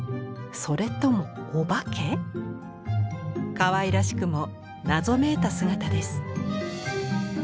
かわいらしくも謎めいた姿です。